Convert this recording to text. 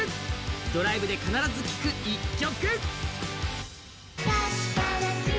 ドライブで必ず聴く１曲。